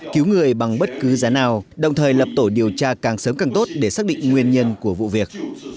cứu người bằng bất cứ giá nào đồng thời lập tổ điều tra càng sớm càng tốt để xác định nguyên nhân của vụ việc